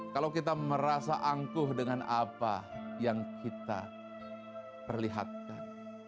kalau kita merasa angkuh dengan apa yang kita perlihatkan